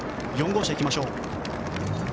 ４号車行きましょう。